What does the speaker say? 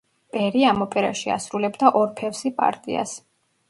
პერი ამ ოპერაში ასრულებდა ორფევსი პარტიას.